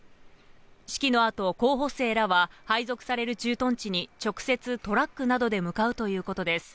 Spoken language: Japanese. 式のあと、候補生らは配属される駐屯地に直接トラックなどで向かうということです。